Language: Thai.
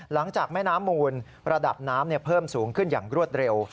หลังจากแม่น้ำมูลระดับน้ำเพิ่มสูงขึ้นอย่างรวดเร็ว